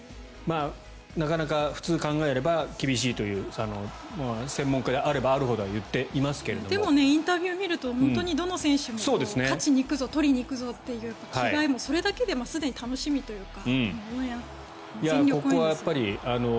なかなか普通に考えれば厳しいという専門家であればあるほどでもインタビューを見ると本当にどの選手も勝ちに行くぞ取りに行くぞという気概もそれだけでもすでに楽しみというか。